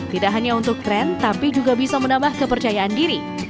tidak hanya untuk tren tapi juga bisa menambah kepercayaan diri